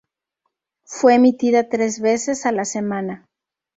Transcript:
Fue emitida tres veces a la semana.